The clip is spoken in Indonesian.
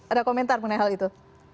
ada komentar mengenai hal itu